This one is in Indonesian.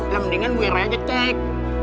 ya mendingan bu r aja cek